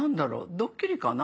ドッキリかな。